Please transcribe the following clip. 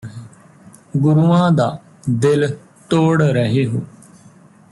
ਗੁਰੂਆਂ ਦਾ ਦਿਲ ਤੋੜ ਰਹੇ ਹੋ